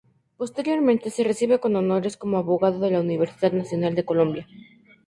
Posteriormente, se recibe con honores como abogado de la Universidad Nacional de Colombia.